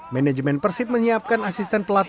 manajemen persib menyiapkan asisten pelatih